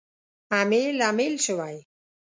امیل، امیل شوی